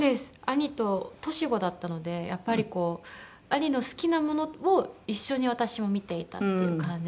兄と年子だったのでやっぱりこう兄の好きなものを一緒に私も見ていたっていう感じなので。